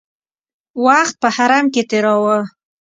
وخت په حرم کې تېراوه.